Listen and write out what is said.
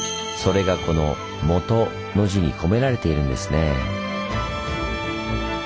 それがこの「本」の字に込められているんですねぇ。